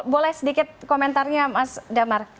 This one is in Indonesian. boleh sedikit komentarnya mas damar